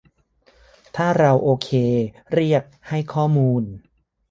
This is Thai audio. ถ้าเราโอเค เรียก "ให้ข้อมูล"